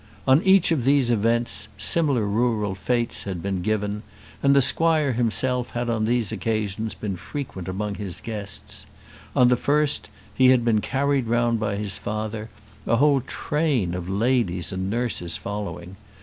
On each of these events similar rural fêtes had been given, and the squire himself had on these occasions been frequent among his guests. On the first, he had been carried round by his father, a whole train of ladies and nurses following.